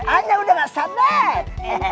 anak udah gak sabar